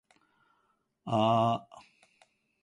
ぁー